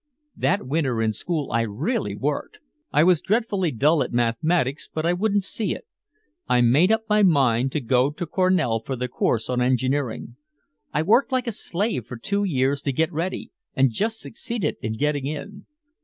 That winter in school I really worked. I was dreadfully dull at mathematics, but I wouldn't see it. I made up my mind to go to Cornell for the course on engineering. I worked like a slave for two years to get ready and just succeeded in getting in.